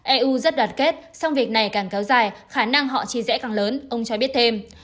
eu rất đoàn kết song việc này càng kéo dài khả năng họ trì rẽ càng lớn ông cho biết thêm